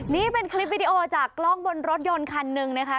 นี่เป็นคลิปวิดีโอจากกล้องบนรถยนต์คันหนึ่งนะคะ